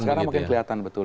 sekarang makin kelihatan betul